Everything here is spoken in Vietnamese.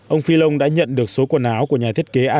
ông fillon đã nhận được số quần áo của nhà thị trường